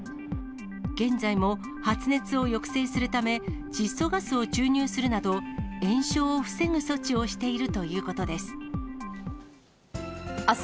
現在も発熱を抑制するため、窒素ガスを注入するなど、延焼を防ぐ措置をしているということです。